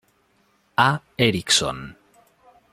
A. Erickson".